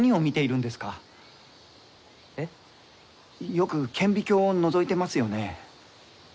よく顕微鏡をのぞいてますよね？